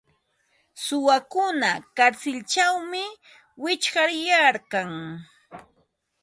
Suwakuna karsilćhawmi wichqaryarkan.